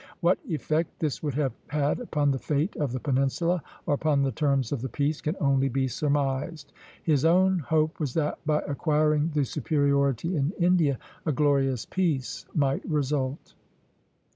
What effect this would have had upon the fate of the peninsula, or upon the terms of the peace, can only be surmised. His own hope was that, by acquiring the superiority in India, a glorious peace might result.